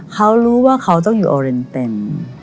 เขารู้ว่าเขาต้องอยู่โอเรนเต็น